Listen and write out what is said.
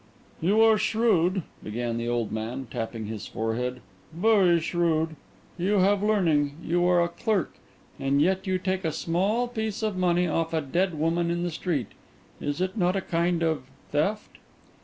"You are shrewd," began the old man, tapping his forehead, "very shrewd; you have learning; you are a clerk; and yet you take a small piece of money off a dead woman in the street. Is it not a kind of theft?"